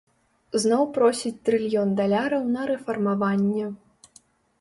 Зноў просіць трыльён даляраў на рэфармаванне.